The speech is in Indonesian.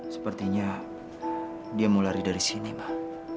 sepertinya dia mau lari dari sini mah